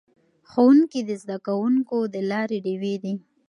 ښوونکي د زده کوونکو د لارې ډیوې دي.